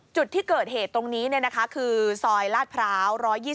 จุดที่เกิดเหตุตรงนี้คือซอยลาดพร้าว๑๒๒